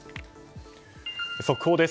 速報です。